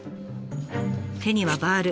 手にはバール。